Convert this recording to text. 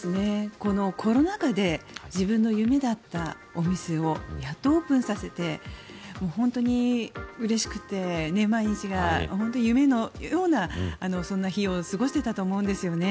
このコロナ禍で自分の夢だったお店をやっとオープンさせて本当にうれしくて毎日が本当に夢のようなそんな日を過ごしていたと思うんですよね。